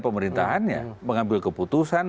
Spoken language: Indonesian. pemerintahannya mengambil keputusan